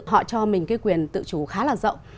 họ cho mình quyền tự chủ khá là rộng